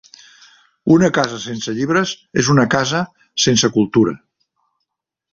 Una casa sense llibres és una casa sense cultura.